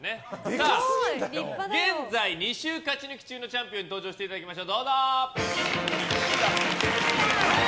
さあ、現在２週勝ち抜き中のチャンピオン登場していただきましょう。